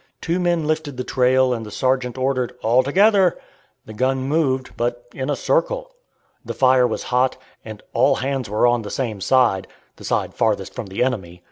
Two men lifted the trail and the sergeant ordered, "All together!" The gun moved, but moved in a circle. The fire was hot, and all hands were on the same side the side farthest from the enemy!